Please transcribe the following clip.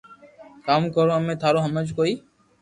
ڪاوُ ڪرو امي ٿارو ھمج ڪوئي ّ